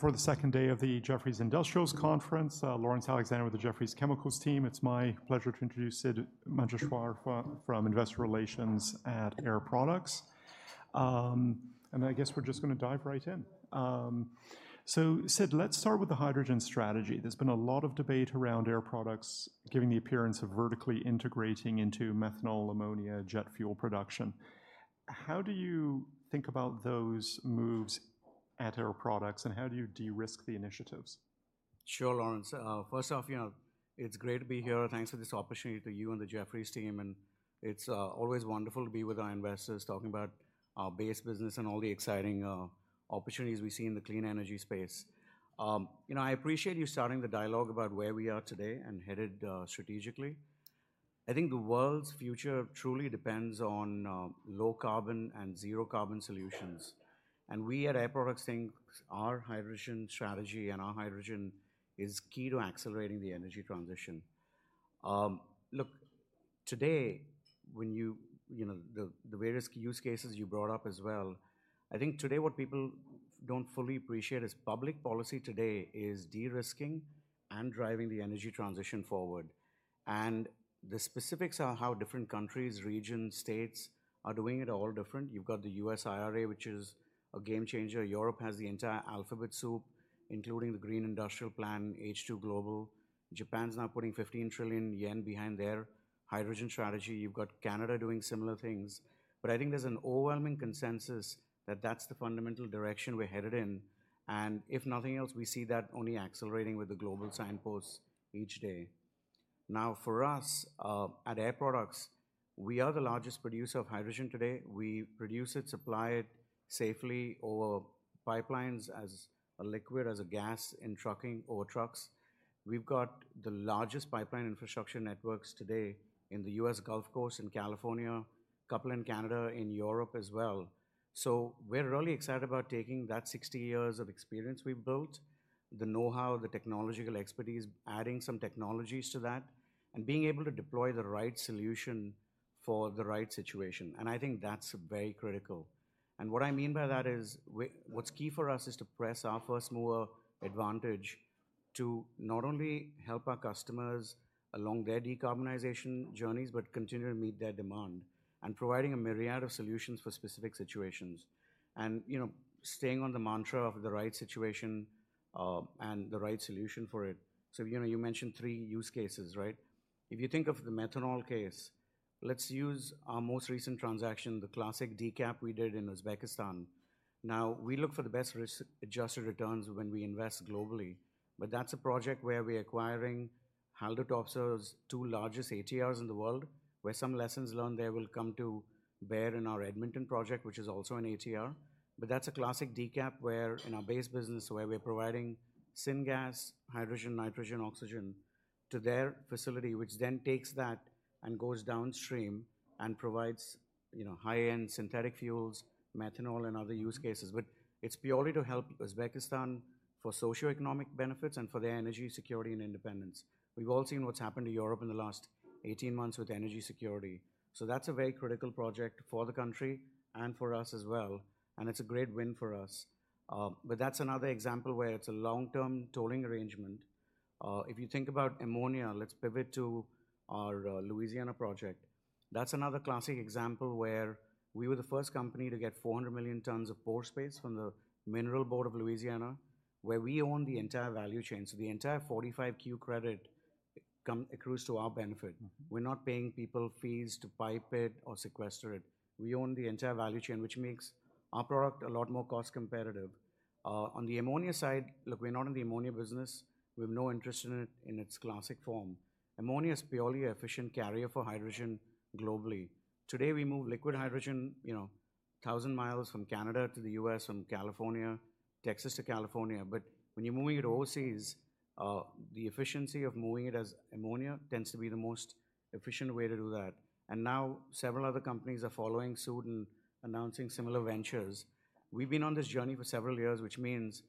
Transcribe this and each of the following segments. For the second day of the Jefferies Industrials Conference. Laurence Alexander with the Jefferies Chemicals Team. It's my pleasure to introduce Sidd Manjeshwar from Investor Relations at Air Products. And I guess we're just gonna dive right in. So Sid, let's start with the hydrogen strategy. There's been a lot of debate around Air Products, giving the appearance of vertically integrating into methanol, ammonia, jet fuel production. How do you think about those moves at Air Products, and how do you de-risk the initiatives? Sure, Laurence. First off, you know, it's great to be here, and thanks for this opportunity to you and the Jefferies team, and it's always wonderful to be with our investors, talking about our base business and all the exciting opportunities we see in the clean energy space. You know, I appreciate you starting the dialogue about where we are today and headed strategically. I think the world's future truly depends on low carbon and zero carbon solutions. And we at Air Products think our hydrogen strategy and our hydrogen is key to accelerating the energy transition. Look, today, you know, the various use cases you brought up as well, I think today what people don't fully appreciate is public policy today is de-risking and driving the energy transition forward. And the specifics are how different countries, regions, states are doing it all different. You've got the U.S. IRA, which is a game changer. Europe has the entire alphabet soup, including the Green Deal Industrial Plan, H2Global. Japan's now putting 15 trillion yen behind their hydrogen strategy. You've got Canada doing similar things. But I think there's an overwhelming consensus that that's the fundamental direction we're headed in, and if nothing else, we see that only accelerating with the global signposts each day. Now, for us, at Air Products, we are the largest producer of hydrogen today. We produce it, supply it safely over pipelines as a liquid, as a gas, in trucking or trucks. We've got the largest pipeline infrastructure networks today in the U.S. Gulf Coast, in California, a couple in Canada, in Europe as well. So we're really excited about taking that 60 years of experience we've built, the know-how, the technological expertise, adding some technologies to that, and being able to deploy the right solution for the right situation, and I think that's very critical. And what I mean by that is we—what's key for us is to press our first-mover advantage to not only help our customers along their decarbonization journeys, but continue to meet their demand, and providing a myriad of solutions for specific situations. And, you know, staying on the mantra of the right situation, and the right solution for it. So, you know, you mentioned three use cases, right? If you think of the methanol case, let's use our most recent transaction, the classic DCAP we did in Uzbekistan. Now, we look for the best risk-adjusted returns when we invest globally, but that's a project where we're acquiring Topsoe's two largest ATRs in the world, where some lessons learned there will come to bear in our Edmonton Project, which is also an ATR. But that's a classic DCAP, where in our base business, where we're providing syngas, hydrogen, nitrogen, oxygen, to their facility, which then takes that and goes downstream and provides, you know, high-end synthetic fuels, methanol, and other use cases. But it's purely to help Uzbekistan for socioeconomic benefits and for their energy security and independence. We've all seen what's happened to Europe in the last 18 months with energy security. So that's a very critical project for the country and for us as well, and it's a great win for us. But that's another example where it's a long-term tolling arrangement. If you think about ammonia, let's pivot to our Louisiana project. That's another classic example where we were the first company to get 400 million tons of pore space from the Mineral Board of Louisiana, where we own the entire value chain. So the entire 45Q credit accrues to our benefit. We're not paying people fees to pipe it or sequester it. We own the entire value chain, which makes our product a lot more cost-competitive. On the ammonia side, look, we're not in the ammonia business. We have no interest in it in its classic form. Ammonia is purely an efficient carrier for hydrogen globally. Today, we move liquid hydrogen, you know, 1,000 mi from Canada to the U.S., from California, Texas to California. But when you're moving it overseas, the efficiency of moving it as ammonia tends to be the most efficient way to do that. And now, several other companies are following suit and announcing similar ventures. We've been on this journey for several years, which means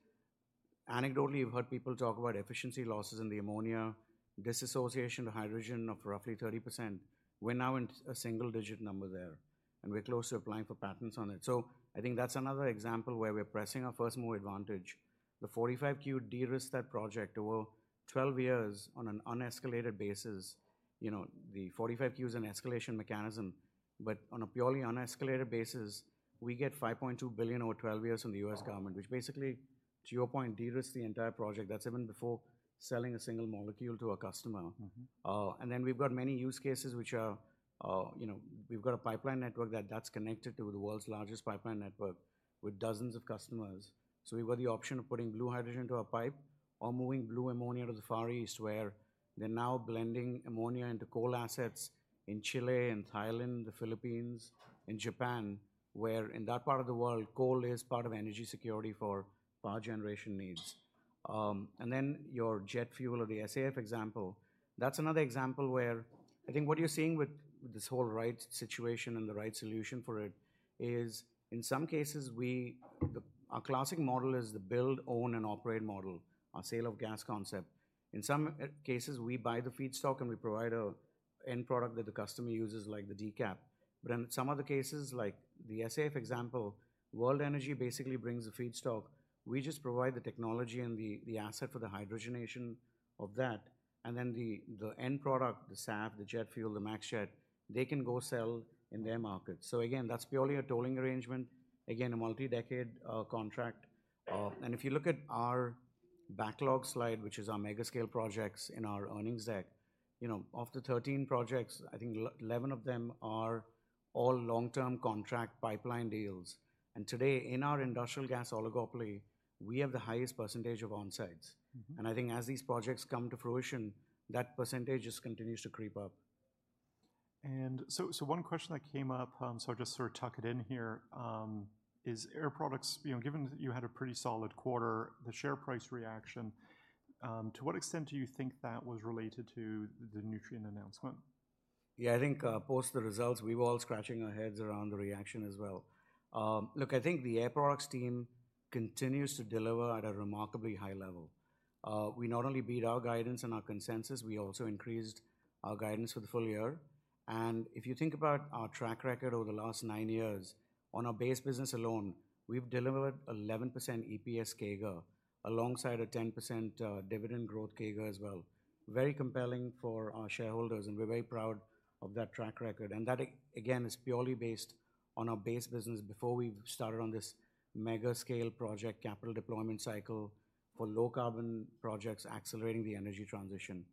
anecdotally, you've heard people talk about efficiency losses in the ammonia dissociation to hydrogen of roughly 30%. We're now in a single-digit number there, and we're close to applying for patents on it. So I think that's another example where we're pressing our first-mover advantage. The 45Q de-risks that project over 12 years on an unescalated basis. You know, the 45Q is an escalation mechanism, but on a purely unescalated basis, we get $5.2 billion over 12 years from the U.S. government, which basically, to your point, de-risks the entire project. That's even before selling a single molecule to a customer. Mm-hmm. And then we've got many use cases which are, you know—we've got a pipeline network that's connected to the world's largest pipeline network with dozens of customers. So we've got the option of putting blue hydrogen into a pipe or moving blue ammonia to the Far East, where they're now blending ammonia into coal assets in Chile and Thailand, the Philippines, in Japan... where in that part of the world, coal is part of energy security for power generation needs. And then your jet fuel or the SAF example, that's another example where I think what you're seeing with this whole IRA situation and the IRA solution for it, is in some cases, our classic model is the build, own, and operate model, our sale of gas concept. In some cases, we buy the feedstock, and we provide an end product that the customer uses, like the de-captive. But in some other cases, like the SAF example, World Energy basically brings the feedstock. We just provide the technology and the asset for the hydrogenation of that, and then the end product, the SAF, the jet fuel, the Max Jet, they can go sell in their market. So again, that's purely a tolling arrangement, again, a multi-decade contract. And if you look at our backlog slide, which is our mega scale projects in our earnings deck, you know, of the 13 projects, I think 11 of them are all long-term contract pipeline deals. And today, in our industrial gas oligopoly, we have the highest percentage of onsites. Mm-hmm. I think as these projects come to fruition, that percentage just continues to creep up. So one question that came up, so I'll just sort of tuck it in here, is Air Products, you know, given that you had a pretty solid quarter, the share price reaction, to what extent do you think that was related to the Nutrien announcement? Yeah, I think, post the results, we were all scratching our heads around the reaction as well. Look, I think the Air Products team continues to deliver at a remarkably high level. We not only beat our guidance and our consensus, we also increased our guidance for the full year. And if you think about our track record over the last nine years, on our base business alone, we've delivered 11% EPS CAGR, alongside a 10%, dividend growth CAGR as well. Very compelling for our shareholders, and we're very proud of that track record. And that, again, is purely based on our base business before we started on this mega scale project, capital deployment cycle for low-carbon projects, accelerating the energy transition.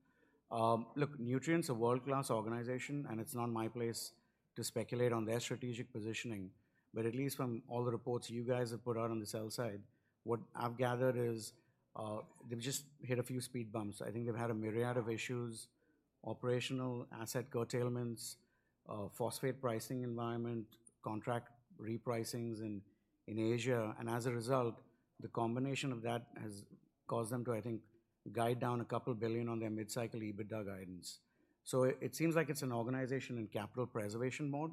Look, Nutrien's a world-class organization, and it's not my place to speculate on their strategic positioning, but at least from all the reports you guys have put out on the sell side, what I've gathered is, they've just hit a few speed bumps. I think they've had a myriad of issues, operational, asset curtailments, phosphate pricing environment, contract repricings in Asia. And as a result, the combination of that has caused them to, I think, guide down $2 billion on their mid-cycle EBITDA guidance. So it seems like it's an organization in capital preservation mode,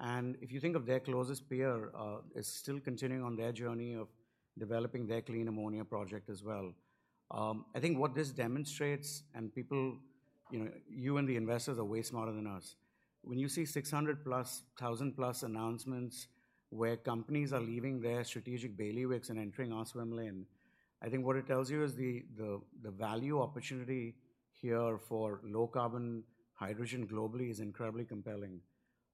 and if you think of their closest peer is still continuing on their journey of developing their clean ammonia project as well. I think what this demonstrates, and people, you know, you and the investors are way smarter than us. When you see 600+ thousand plus announcements where companies are leaving their strategic bailiwicks and entering our swim lane, I think what it tells you is the value opportunity here for low-carbon hydrogen globally is incredibly compelling.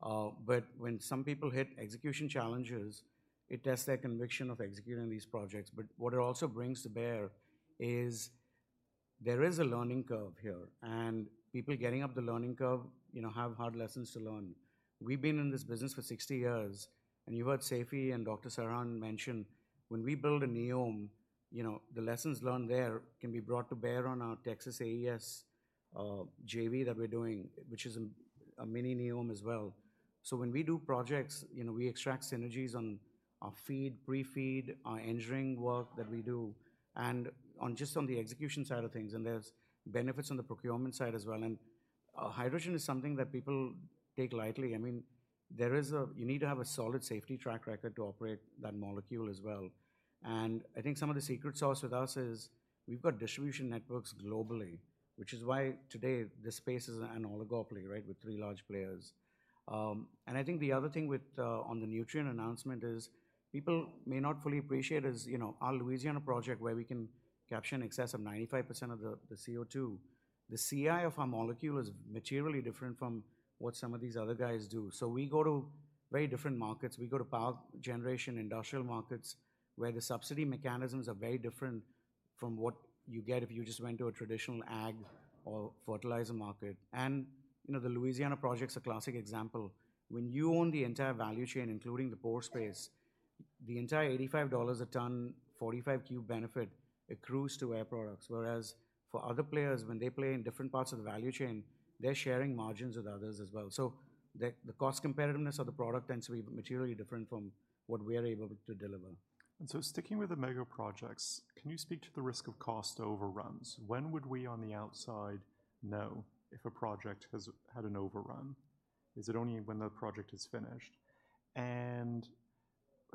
But when some people hit execution challenges, it tests their conviction of executing these projects. But what it also brings to bear is there is a learning curve here, and people getting up the learning curve, you know, have hard lessons to learn. We've been in this business for 60 years, and you heard Seifi and Dr. Samir Serhan mention, when we build a NEOM, you know, the lessons learned there can be brought to bear on our Texas AES JV that we're doing, which is a mini NEOM as well. So when we do projects, you know, we extract synergies on our feed, pre-feed, our engineering work that we do, and just on the execution side of things, and there's benefits on the procurement side as well. Hydrogen is something that people take lightly. I mean, there is a... You need to have a solid safety track record to operate that molecule as well. And I think some of the secret sauce with us is, we've got distribution networks globally, which is why today, this space is an oligopoly, right? With three large players. I think the other thing with, on the Nutrien announcement is, people may not fully appreciate is, you know, our Louisiana project, where we can capture in excess of 95% of the CO2. The CI of our molecule is materially different from what some of these other guys do. So we go to very different markets. We go to power generation, industrial markets, where the subsidy mechanisms are very different from what you get if you just went to a traditional ag or fertilizer market. And, you know, the Louisiana project's a classic example. When you own the entire value chain, including the pore space, the entire $85 a ton, 45Q benefit accrues to Air Products. Whereas for other players, when they play in different parts of the value chain, they're sharing margins with others as well. So the, the cost competitiveness of the product tends to be materially different from what we are able to deliver. And so sticking with the mega projects, can you speak to the risk of cost overruns? When would we, on the outside, know if a project has had an overrun? Is it only when the project is finished? And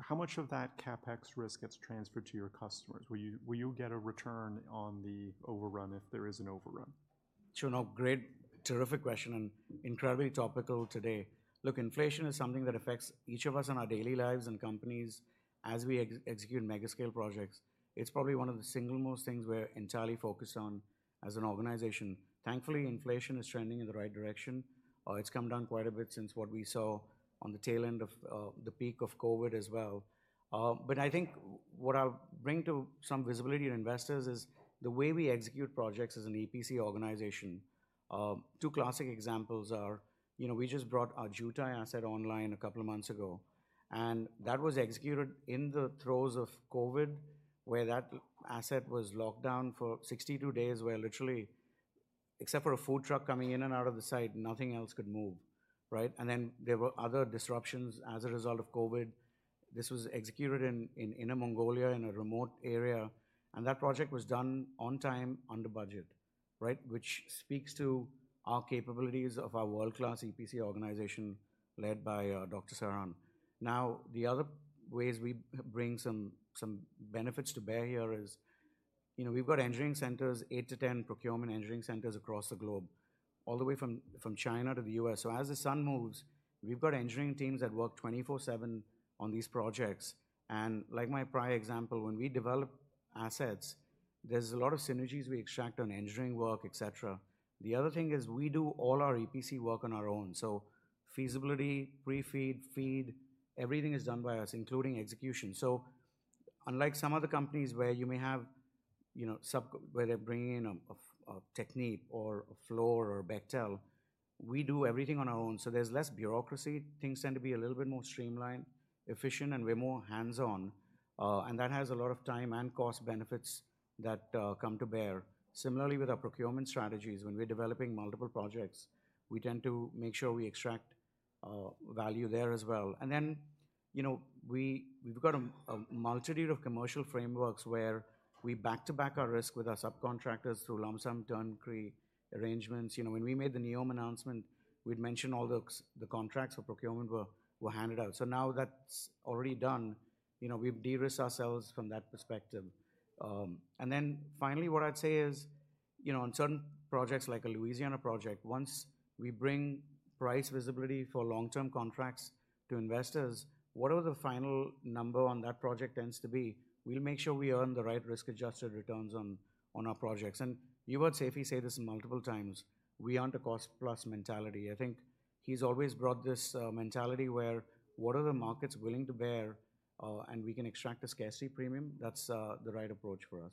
how much of that CapEx risk gets transferred to your customers? Will you, will you get a return on the overrun if there is an overrun? Sure, no, great, terrific question, and incredibly topical today. Look, inflation is something that affects each of us in our daily lives and companies as we execute mega scale projects. It's probably one of the single most things we're entirely focused on as an organization. Thankfully, inflation is trending in the right direction. It's come down quite a bit since what we saw on the tail end of the peak of COVID as well. But I think what I'll bring to some visibility to investors is the way we execute projects as an EPC organization. Two classic examples are, you know, we just brought our Jiutai asset online a couple of months ago, and that was executed in the throes of COVID, where that asset was locked down for 62 days, where literally-... except for a food truck coming in and out of the site, nothing else could move, right? And then there were other disruptions as a result of COVID. This was executed in Inner Mongolia, in a remote area, and that project was done on time, under budget, right? Which speaks to our capabilities of our world-class EPC organization, led by Dr. Samir Serhan. Now, the other ways we bring some benefits to bear here is, you know, we've got engineering centers, eight-10 procurement engineering centers across the globe, all the way from China to the U.S. So as the sun moves, we've got engineering teams that work 24/7 on these projects. And like my prior example, when we develop assets, there's a lot of synergies we extract on engineering work, et cetera. The other thing is we do all our EPC work on our own. So feasibility, pre-FEED, FEED, everything is done by us, including execution. So unlike some other companies where you may have, you know, where they're bringing in a Technip or a Fluor or Bechtel, we do everything on our own, so there's less bureaucracy. Things tend to be a little bit more streamlined, efficient, and we're more hands-on, and that has a lot of time and cost benefits that come to bear. Similarly, with our procurement strategies, when we're developing multiple projects, we tend to make sure we extract value there as well. And then, you know, we've got a multitude of commercial frameworks where we back-to-back our risk with our subcontractors through lump sum turnkey arrangements. You know, when we made the NEOM announcement, we'd mentioned all the contracts for procurement were handed out. Now that's already done. You know, we've de-risked ourselves from that perspective. Then finally, what I'd say is, you know, on certain projects, like a Louisiana project, once we bring price visibility for long-term contracts to investors, whatever the final number on that project tends to be, we'll make sure we earn the right risk-adjusted returns on our projects. You heard Seifi say this multiple times, "We aren't a cost-plus mentality." I think he's always brought this mentality where, what are the markets willing to bear, and we can extract a scarcity premium? That's the right approach for us.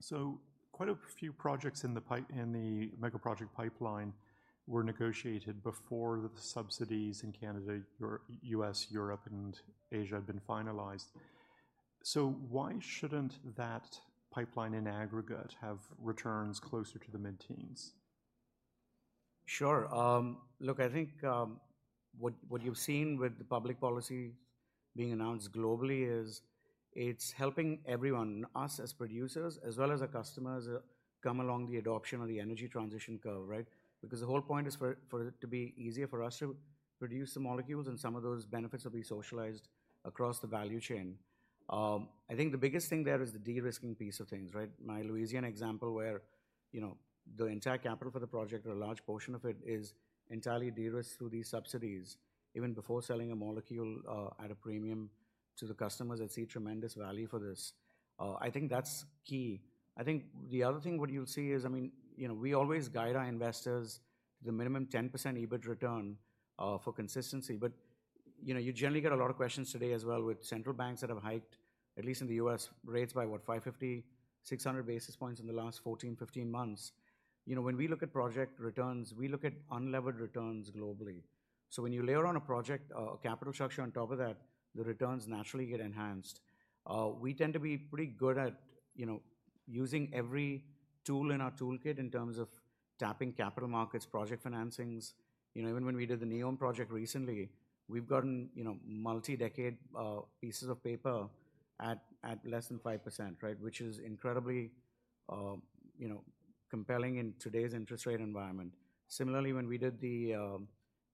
So quite a few projects in the mega project pipeline were negotiated before the subsidies in Canada, Europe, U.S., Europe, and Asia had been finalized. So why shouldn't that pipeline, in aggregate, have returns closer to the mid-teens? Sure. Look, I think, what, what you've seen with the public policy being announced globally is it's helping everyone, us as producers, as well as our customers, come along the adoption of the energy transition curve, right? Because the whole point is for it, for it to be easier for us to produce the molecules, and some of those benefits will be socialized across the value chain. I think the biggest thing there is the de-risking piece of things, right? My Louisiana example, where, you know, the entire capital for the project or a large portion of it is entirely de-risked through these subsidies, even before selling a molecule, at a premium to the customers that see tremendous value for this. I think that's key. I think the other thing, what you'll see is, I mean, you know, we always guide our investors the minimum 10% EBIT return for consistency. But, you know, you generally get a lot of questions today as well with central banks that have hiked, at least in the U.S., rates by, what, 550-600 basis points in the last 14-15 months. You know, when we look at project returns, we look at unlevered returns globally. So when you layer on a project, a capital structure on top of that, the returns naturally get enhanced. We tend to be pretty good at, you know, using every tool in our toolkit in terms of tapping capital markets, project financings. You know, even when we did the NEOM project recently, we've gotten, you know, multi-decade pieces of paper at less than 5%, right? Which is incredibly, you know, compelling in today's interest rate environment. Similarly, when we did the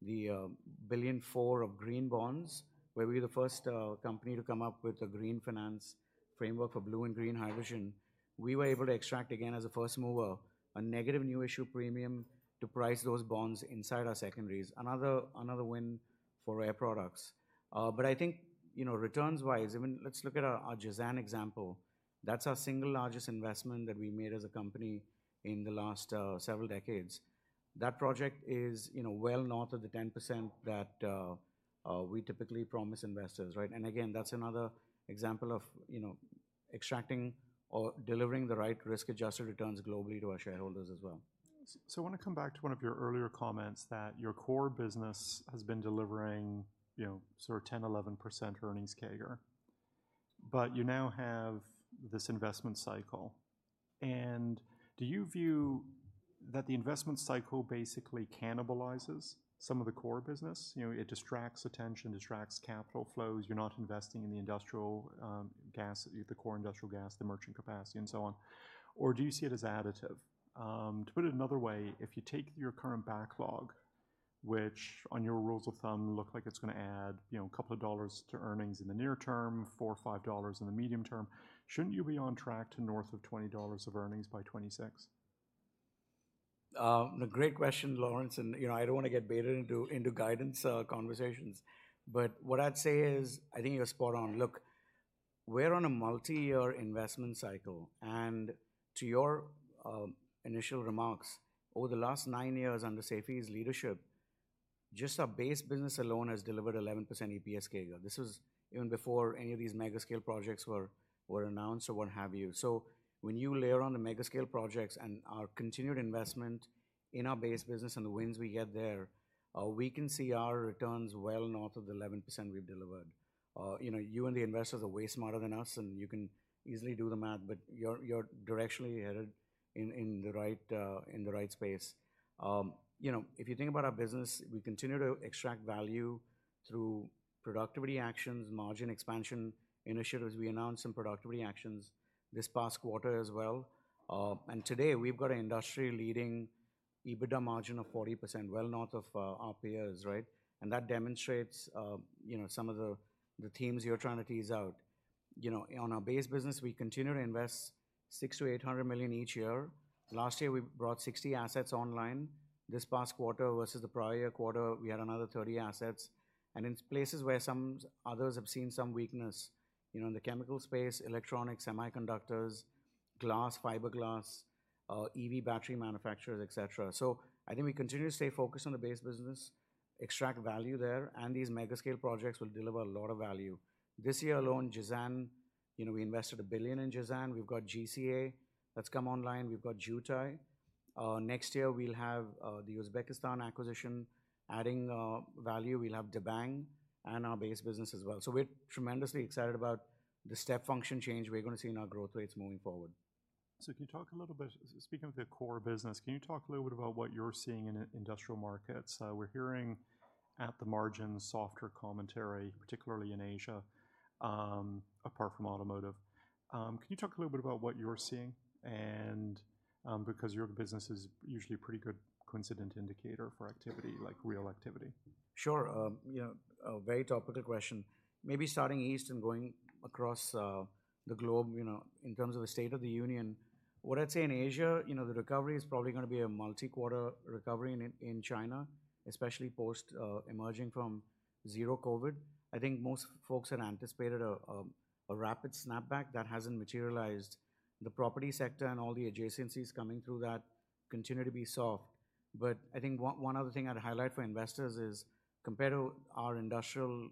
$1.4 billion of green bonds, where we were the first company to come up with a green finance framework for blue and green hydrogen, we were able to extract, again, as a first mover, a negative new issue premium to price those bonds inside our secondaries. Another win for Air Products. But I think, you know, returns-wise, I mean, let's look at our Jazan example. That's our single largest investment that we made as a company in the last several decades. That project is, you know, well north of the 10% that we typically promise investors, right? And again, that's another example of, you know, extracting or delivering the right risk-adjusted returns globally to our shareholders as well. So, I wanna come back to one of your earlier comments, that your core business has been delivering, you know, sort of 10%-11% earnings CAGR, but you now have this investment cycle. Do you view that the investment cycle basically cannibalizes some of the core business? You know, it distracts attention, distracts capital flows. You're not investing in the industrial gas, the core industrial gas, the merchant capacity, and so on. Or do you see it as additive? To put it another way, if you take your current backlog, which, on your rules of thumb, look like it's gonna add, you know, a couple of dollars to earnings in the near term, $4-$5 in the medium term, shouldn't you be on track to north of $20 of earnings by 2026? A great question, Laurence, and, you know, I don't wanna get baited into, into guidance, conversations. But what I'd say is, I think you're spot on. Look, we're on a multi-year investment cycle, and to your, initial remarks, over the last nine years under Seifi's leadership, just our base business alone has delivered 11% EPS CAGR. This is even before any of these mega-scale projects were, announced or what have you. So when you layer on the mega-scale projects and our continued investment in our base business and the wins we get there, we can see our returns well north of the 11% we've delivered. You know, you and the investors are way smarter than us, and you can easily do the math, but you're, directionally headed in, in the right, in the right space.... You know, if you think about our business, we continue to extract value through productivity actions, margin expansion initiatives. We announced some productivity actions this past quarter as well. And today, we've got an industry-leading EBITDA margin of 40%, well north of our peers, right? And that demonstrates, you know, some of the, the themes you're trying to tease out. You know, on our base business, we continue to invest $600 million-$800 million each year. Last year, we brought 60 assets online. This past quarter versus the prior quarter, we had another 30 assets. And in places where some others have seen some weakness, you know, in the chemical space, electronics, semiconductors, glass, fiberglass, EV battery manufacturers, et cetera. So I think we continue to stay focused on the base business, extract value there, and these mega scale projects will deliver a lot of value. This year alone, Jazan, you know, we invested $1 billion in Jazan. We've got GCA that's come online. We've got Jiutai. Next year we'll have the Uzbekistan acquisition adding value. We'll have Debang and our base business as well. So we're tremendously excited about the step function change we're gonna see in our growth rates moving forward. So can you talk a little bit, speaking of the core business, can you talk a little bit about what you're seeing in industrial markets? We're hearing at the margin softer commentary, particularly in Asia, apart from automotive. Can you talk a little bit about what you're seeing? And because your business is usually a pretty good coincident indicator for activity, like real activity. Sure. You know, a very tough question. Maybe starting east and going across the globe, you know, in terms of the state of the union. What I'd say in Asia, you know, the recovery is probably gonna be a multi-quarter recovery in China, especially post emerging from zero COVID. I think most folks had anticipated a rapid snapback that hasn't materialized. The property sector and all the adjacencies coming through that continue to be soft. But I think one other thing I'd highlight for investors is compared to our industrial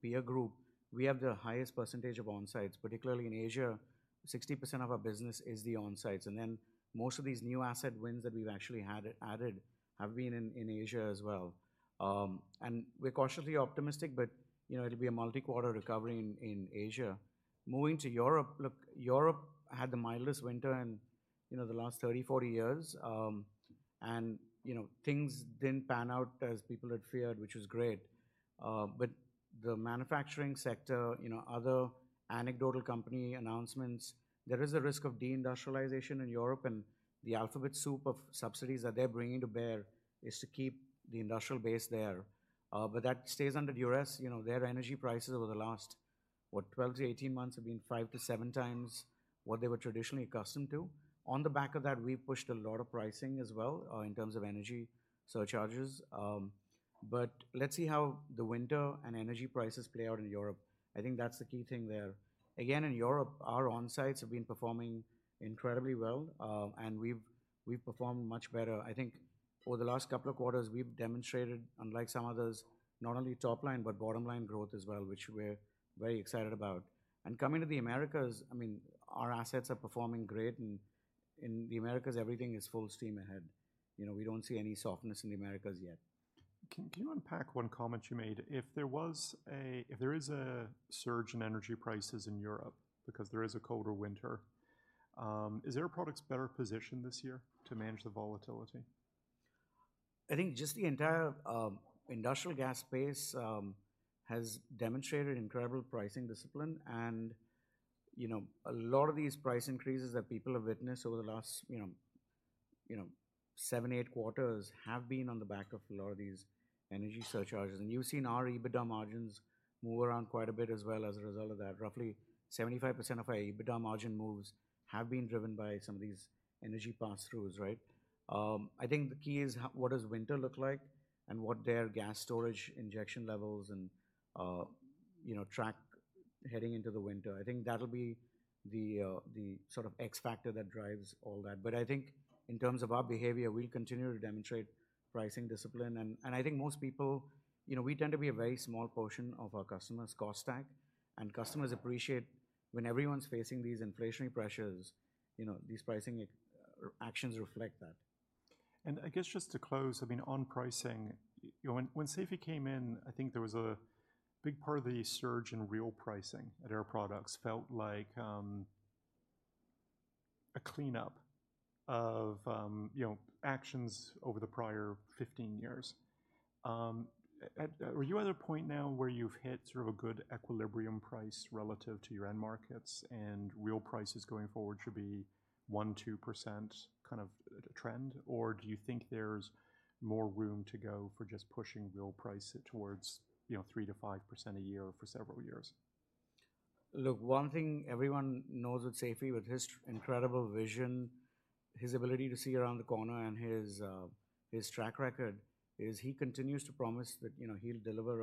peer group, we have the highest percentage of onsites, particularly in Asia. 60% of our business is the onsites, and then most of these new asset wins that we've actually had added have been in Asia as well. And we're cautiously optimistic, but, you know, it'll be a multi-quarter recovery in Asia. Moving to Europe, look, Europe had the mildest winter in, you know, the last 30, 40 years. And, you know, things didn't pan out as people had feared, which was great. But the manufacturing sector, you know, other anecdotal company announcements, there is a risk of de-industrialization in Europe, and the alphabet soup of subsidies that they're bringing to bear is to keep the industrial base there. But that stays under duress. You know, their energy prices over the last, what, 12-18 months, have been 5x-7x what they were traditionally accustomed to. On the back of that, we've pushed a lot of pricing as well, in terms of energy surcharges. But let's see how the winter and energy prices play out in Europe. I think that's the key thing there. Again, in Europe, our onsites have been performing incredibly well, and we've performed much better. I think over the last couple of quarters, we've demonstrated, unlike some others, not only top line, but bottom line growth as well, which we're very excited about. And coming to the Americas, I mean, our assets are performing great, and in the Americas, everything is full steam ahead. You know, we don't see any softness in the Americas yet. Can you unpack one comment you made? If there is a surge in energy prices in Europe because there is a colder winter, is Air Products better positioned this year to manage the volatility? I think just the entire industrial gas space has demonstrated incredible pricing discipline. You know, a lot of these price increases that people have witnessed over the last seven-eight quarters have been on the back of a lot of these energy surcharges. And you've seen our EBITDA margins move around quite a bit as well as a result of that. Roughly 75% of our EBITDA margin moves have been driven by some of these energy pass-throughs, right? I think the key is what does winter look like and what their gas storage injection levels and track heading into the winter. I think that'll be the sort of X factor that drives all that. But I think in terms of our behavior, we'll continue to demonstrate pricing discipline. And I think most people... You know, we tend to be a very small portion of our customers' cost stack, and customers appreciate when everyone's facing these inflationary pressures, you know, these pricing actions reflect that. I guess just to close, I mean, on pricing, you know, when Seifi came in, I think there was a big part of the surge in real pricing at Air Products felt like a cleanup of, you know, actions over the prior 15 years. Are you at a point now where you've hit sort of a good equilibrium price relative to your end markets, and real prices going forward should be 1%-2% kind of the trend? Or do you think there's more room to go for just pushing real price towards, you know, 3%-5% a year for several years? Look, one thing everyone knows with Seifi, with his incredible vision, his ability to see around the corner, and his track record, is he continues to promise that, you know, he'll deliver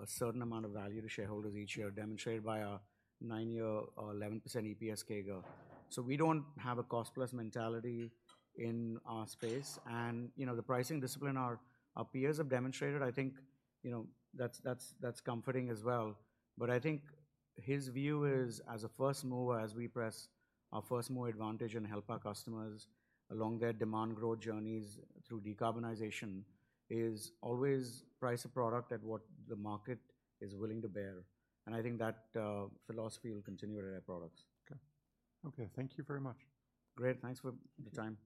a certain amount of value to shareholders each year, demonstrated by a nine-year or 11% EPS CAGR. So we don't have a cost-plus mentality in our space, and, you know, the pricing discipline our peers have demonstrated, I think, you know, that's comforting as well. But I think his view is, as a first mover, as we press our first-mover advantage and help our customers along their demand growth journeys through decarbonization, is always price a product at what the market is willing to bear. And I think that philosophy will continue at Air Products. Okay. Okay, thank you very much. Great. Thanks for the time.